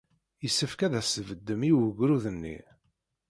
Yessefk ad as-tbeddem i wegrud-nni.